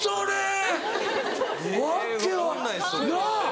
・分かんないです・なぁ！